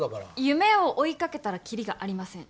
夢を追いかけたら切りがありません。